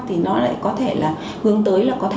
thì nó lại có thể là hướng tới là